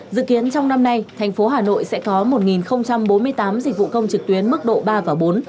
dự kiến trong năm nay thành phố hà nội sẽ có một bốn mươi tám dịch vụ công trực tuyến mức độ ba và bốn